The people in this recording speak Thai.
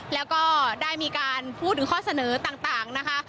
แล้วก็ได้มีการพูดถึงข้อเสนอต่างนะคะ